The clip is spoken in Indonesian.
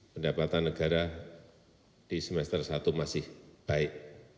pendapatan negara di semester satu masih baik